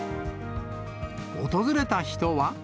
訪れた人は。